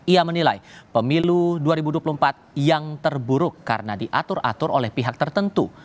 ia menilai pemilu dua ribu dua puluh empat yang terburuk karena diatur atur oleh pihak tertentu